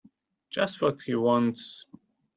Just what he wants.